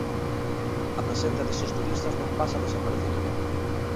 A presenza destes turistas non pasa desapercibida.